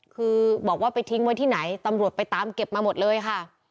คือบอกว่าไปทิ้งไว้ที่ไหนตำรวจไปตามเก็บมาหมดเลยค่ะ